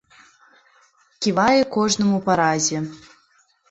Ківае кожнаму па разе.